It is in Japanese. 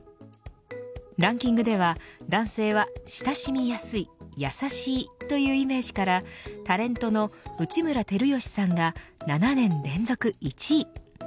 ランキングでは男性は親しみやすい優しいというイメージからタレントの内村光良さんが７年連続１位。